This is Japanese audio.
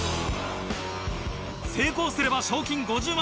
成功すれば賞金５０万円。